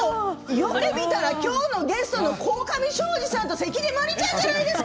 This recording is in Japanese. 呼んでみたら今日のゲストの鴻上尚史さんと関根麻里ちゃんじゃないですか。